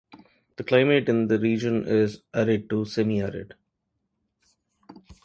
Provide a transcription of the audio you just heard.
The climate in the region is arid to semi-arid.